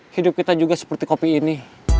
hidup kita juga seperti kopi ini